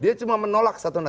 dia cuma menolak satu nama